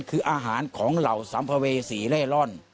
คืออาหารของเหล่าสัมภเวษีเล่ร่อน